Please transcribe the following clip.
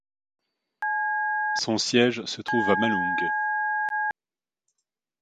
Son siège se trouve à Malung.